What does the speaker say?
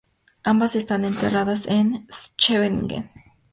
Ambas están enterradas en Scheveningen.